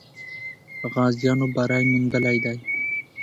غازیانو بری موندلی دی.